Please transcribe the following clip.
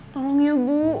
tolong ya bu